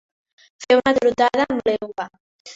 Fer una trotada amb l'euga.